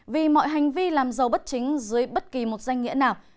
vì mọi hành vi làm giàu bất chính dưới bất kỳ một danh nghĩa nào